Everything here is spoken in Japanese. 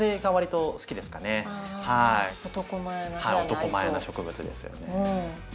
男前な植物ですよね。